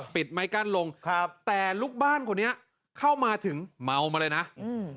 ปิดไม้กั้นลงครับแต่ลูกบ้านคนนี้เข้ามาถึงเมามาเลยนะอืม